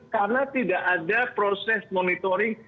karena tidak ada proses monitoring